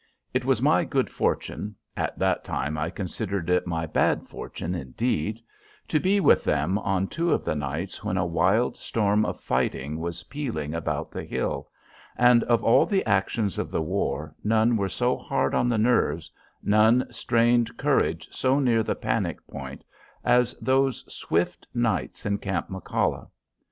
It was my good fortune at that time I considered it my bad fortune, indeed to be with them on two of the nights when a wild storm of fighting was pealing about the hill; and, of all the actions of the war, none were so hard on the nerves, none strained courage so near the panic point, as those swift nights in Camp McCalla.